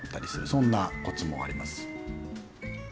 そんなコツもあります。